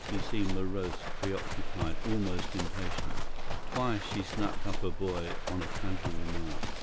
She seemed morose, preoccupied, almost impatient. Twice she snapped up her boy on a casual remark.